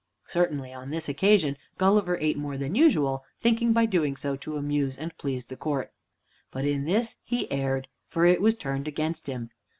Certainly, on this occasion, Gulliver ate more than usual, thinking by so doing to amuse and please the court. But in this he erred, for it was turned against him.